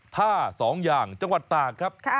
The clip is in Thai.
ท่าสองอย่างจังหวัดตากครับ